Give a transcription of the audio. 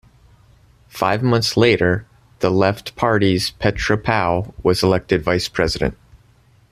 Five months later, the Left Party's Petra Pau was elected vice president.